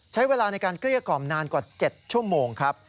ใช้เวลาในการเกลี้ยกล่อมนานกว่า๗ชั่วโมงครับ